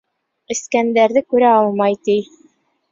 Эскәндәрҙе күрә алмай, ти.